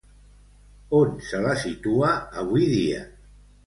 On se la situa avui dia?